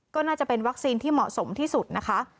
ก็น่าจะเป็นวัคซีนที่เหมาะสมที่สุดนะคะ